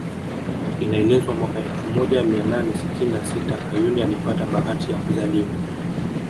Inaelezwa mwaka elfu moja mia nane sitini na sita Kayuni alipata bahati ya kuzaliwa